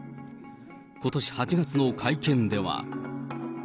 ことし８月の会見では。